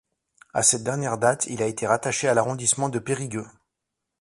À cette dernière date, il a été rattaché à l'arrondissement de Périgueux.